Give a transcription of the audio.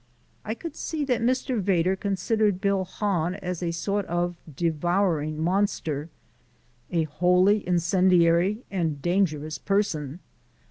I could see that Mr. Vedder considered Bill Hahn as a sort of devouring monster, a wholly incendiary and dangerous person.